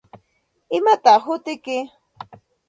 ¿Imataq hutiyki?